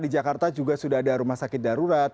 di jakarta juga sudah ada rumah sakit darurat